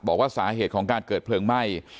บอกว่าสาเหตุของการเกิดเพลิงไหม้